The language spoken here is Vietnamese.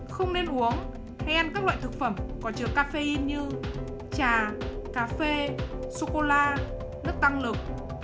không nên uống hay ăn các loại thực phẩm có chứa cà phê như trà cà phê sô cô la nước tăng lực